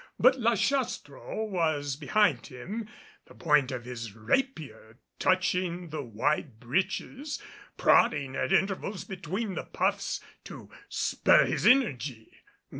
But La Chastro was behind him, the point of his rapier touching the wide breeches, prodding at intervals between the puffs to spur his energy.